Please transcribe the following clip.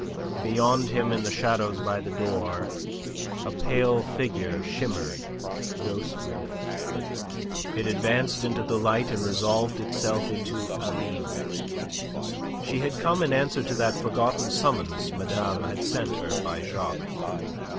Beyond him in the shadows by the door a pale figure shimmered ghostly. It advanced into the light, and resolved itself into Aline. She had come in answer to that forgotten summons madame had sent her by Jacques.